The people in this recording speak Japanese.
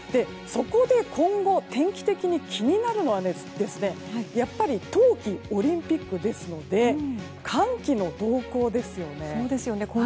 そこで今後天気的に気になるのはやっぱり冬季オリンピックですので寒気の動向ですよね。